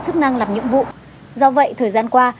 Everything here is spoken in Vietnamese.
chức năng làm nhiệm vụ do vậy thời gian qua